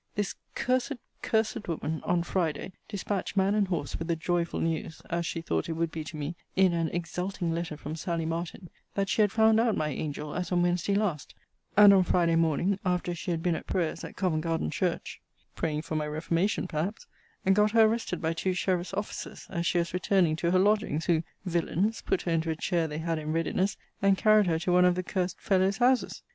This cursed, cursed woman, on Friday dispatched man and horse with the joyful news (as she thought it would be to me) in an exulting letter from Sally Martin, that she had found out my angel as on Wednesday last; and on Friday morning, after she had been at prayers at Covent Garden church praying for my reformation perhaps got her arrested by two sheriff's officers, as she was returning to her lodgings, who (villains!) put her into a chair they had in readiness, and carried her to one of the cursed fellow's houses.